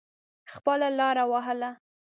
خپله لاره وهله.